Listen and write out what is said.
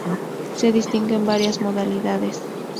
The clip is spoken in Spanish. Se distinguen varias modalidades.